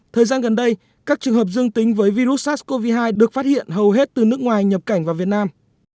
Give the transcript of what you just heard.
thời gian gần đây các trường hợp dương tính với virus sars cov hai được phát hiện hầu hết từ nước ngoài nhập cảnh vào việt nam